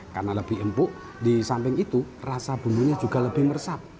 karena lebih empuk di samping itu rasa bumbunya juga lebih meresap